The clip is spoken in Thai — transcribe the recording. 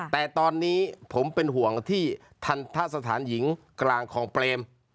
แต่ตอนนี้ผมเป็นห่วงที่ทันทะสถานหญิงกลางของเปรม